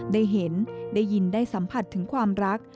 ได้เห็นได้ยินได้สัมผัสถึงความรัก